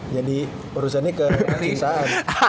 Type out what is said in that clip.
jadi urusannya ke pencintaan